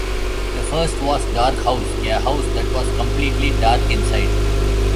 The first was Dark House, a house that was completely dark inside.